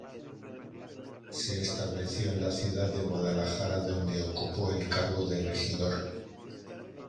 Se estableció en la ciudad de Guadalajara donde ocupó el cargo de regidor.